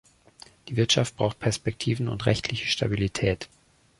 Die Wirtschaft braucht Perspektiven und rechtliche Stabilität.